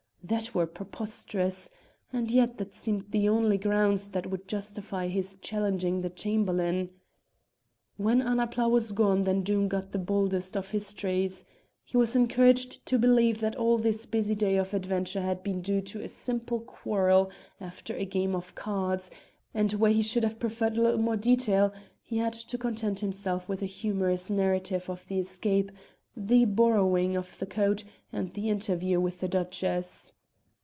That were preposterous! And yet that seemed the only grounds that would justify his challenging the Chamberlain. When Annapla was gone then Doom got the baldest of histories. He was encouraged to believe that all this busy day of adventure had been due to a simple quarrel after a game of cards, and where he should have preferred a little more detail he had to content himself with a humorous narrative of the escape, the borrowing of the coat, and the interview with the Duchess.